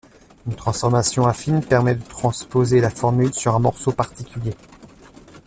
Une transformation affine permet de transposer la formule sur un morceau particulier.